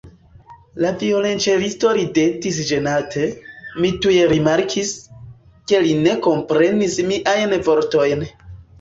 La violonĉelisto ridetis ĝenate; mi tuj rimarkis, ke li ne komprenis miajn vortojn.